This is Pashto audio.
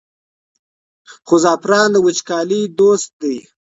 خو زعفران د وچکالۍ دوست دی.